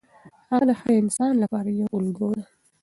هغه د هر انسان لپاره یو الګو دی.